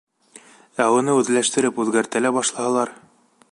Ә уны үҙләштереп, үҙгәртә лә башлаһалар?